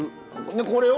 でこれを？